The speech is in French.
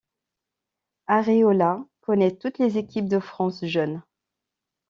Areola connaît toutes les équipes de France jeunes.